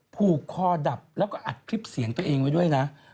ผูกคอดับแล้วก็อัดคลิปเสียงตัวเองไว้ด้วยนะ